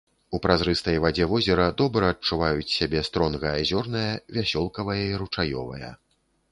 У празрыстай вадзе возера добра адчуваюць сябе стронга азёрная, вясёлкавая і ручаёвая.